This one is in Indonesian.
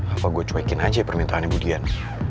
apa gue cuekin aja permintaannya bu dian